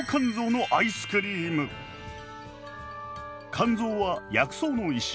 甘草は薬草の一種。